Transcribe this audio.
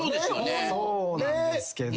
そうなんですけど。